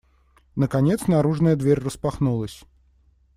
Наконец наружная дверь распахнулась.